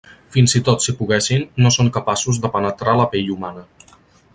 Fins i tot si poguessin, no són capaços de penetrar la pell humana.